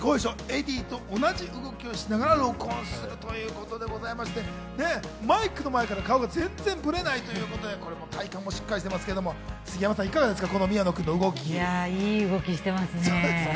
エディと同じ動きをしながら録音するということでございまして、マイクの前から顔、全然ブレないということで体幹もしっかりしてますけど、杉山さんいかがですか？